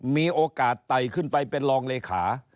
มีโอกาสไต่ขึ้นไปเป็นรองเลขา